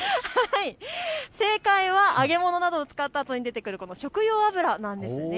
正解は揚げ物などを使ったあとに出る食用油なんです。